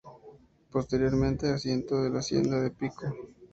Posteriormente asiento de la Hacienda de Pico.